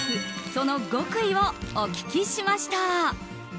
その極意をお聞きしました。